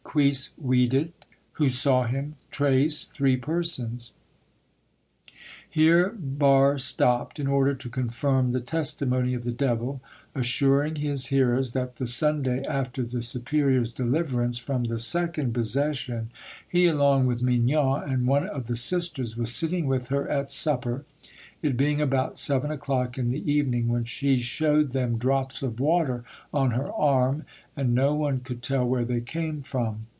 "Quis vidit?" (Who saw him?) "Tres" (Three persons). Here Barre stopped, in order to confirm the testimony of the devil, assuring his hearers that the Sunday after the superior's deliverance from the second possession he along with Mignon and one of the sisters was sitting with her at supper, it being about seven o'clock in the evening, when she showed them drops of water on her arm, and no one could tell where they came from.